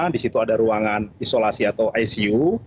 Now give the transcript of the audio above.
di situ ada ruangan isolasi atau icu